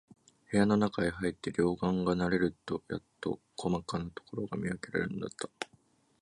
部屋のなかへ入って、両眼が慣れるとやっと、こまかなところが見わけられるのだった。